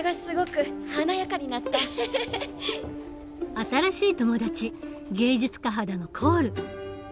新しい友達芸術家肌のコール。